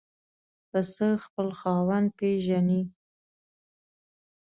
پسه خپل خاوند پېژني.